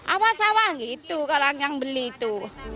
awas awah gitu kalau yang beli itu